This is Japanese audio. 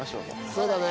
そうだね。